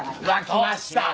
きました。